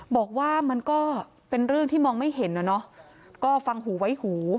บอกว่ามันก็เป็นเรื่องที่มองไม่เห็นนะเนาะก็ฟังหูไว้หู